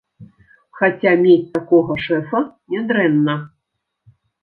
Хаця мець такога шэфа нядрэнна.